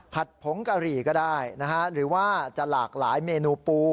ผงกะหรี่ก็ได้นะฮะหรือว่าจะหลากหลายเมนูปู